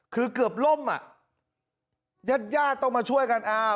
คือเกือบล่มอ่ะญาติญาติต้องมาช่วยกัน